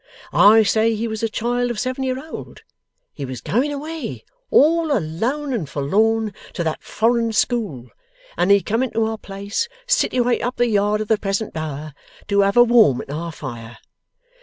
I say he was a child of seven year old. He was going away, all alone and forlorn, to that foreign school, and he come into our place, situate up the yard of the present Bower, to have a warm at our fire.